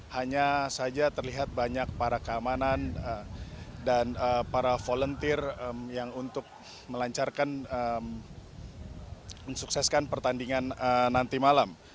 hanya saja terlihat banyak para keamanan dan para volunteer yang untuk melancarkan mensukseskan pertandingan nanti malam